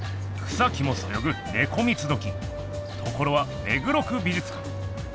草木もそよぐネコ三つどきところは目黒区美術館。